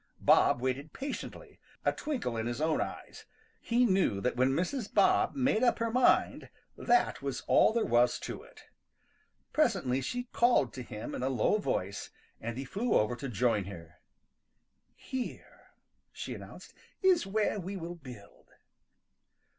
Bob waited patiently, a twinkle in his own eyes. He knew that when Mrs. Bob made up her mind that was all there was to it. Presently she called to him in a low voice, and he flew over to join her. "Here," she announced, "is where we will build."